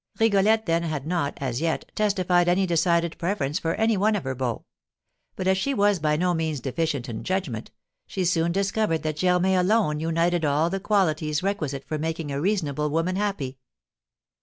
Rigolette then had not, as yet, testified any decided preference for any one of her beaux; but as she was by no means deficient in judgment, she soon discovered that Germain alone united all the qualities requisite for making a reasonable woman happy.